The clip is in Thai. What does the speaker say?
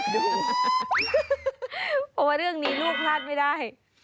เพราะว่าเรื่องนี้ลูกพลาดไม่ได้